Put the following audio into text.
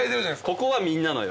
ここはみんなのよ。